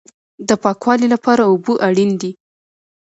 د پاکوالي لپاره اوبه اړین دي